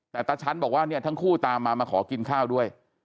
แต่ตาชั้นบอกว่าเนี่ยทั้งคู่ตามมามาขอกินข้าวด้วย